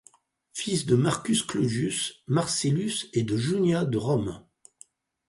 Fils de Marcus Claudius Marcellus et de Junia de Rome.